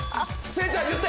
聖ちゃん言って！